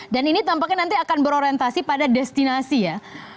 dan ini tampaknya nanti akan berorientasi pada destinasi ya